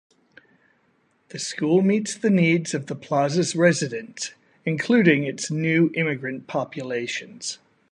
The school meets the needs of the Plaza's residents, including its new immigrant populations.